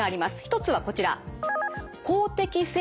一つはこちら。